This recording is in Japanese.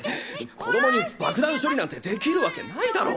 子供に爆弾処理なんてできるわけないだろ。